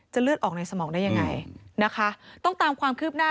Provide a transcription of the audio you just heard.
เลือดออกในสมองได้ยังไงนะคะต้องตามความคืบหน้า